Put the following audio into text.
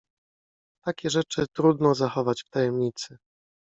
Takie rzeczy trudno zachować w tajemnicy…